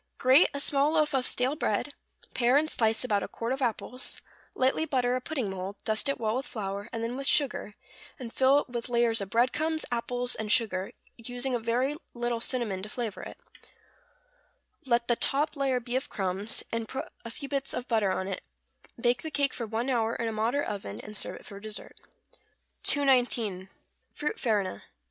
= Grate a small loaf of stale bread; pare and slice about a quart of apples; lightly butter a pudding mould, dust it well with flour, and then with sugar, and fill it with layers of bread crumbs, apples, and sugar, using a very little cinnamon to flavor it; let the top layer be of crumbs, and put a few bits of butter on it; bake the cake for one hour in a moderate oven; and serve it for dessert. 219. =Fruit Farina.